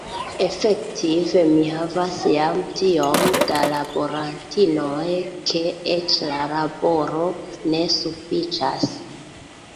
Efektive mi havas jam tiom da laborantinoj, ke eĉ la laboro ne sufiĉas.